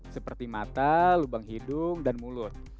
seperti mata lubang hidung dan mulut